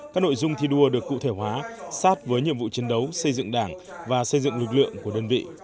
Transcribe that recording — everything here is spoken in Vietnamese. các nội dung thi đua được cụ thể hóa sát với nhiệm vụ chiến đấu xây dựng đảng và xây dựng lực lượng của đơn vị